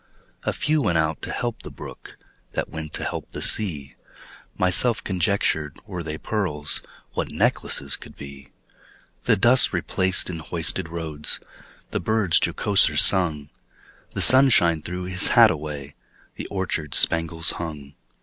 A few went out to help the brook, That went to help the sea. Myself conjectured, Were they pearls, What necklaces could be! The dust replaced in hoisted roads, The birds jocoser sung; The sunshine threw his hat away, The orchards spangles hung.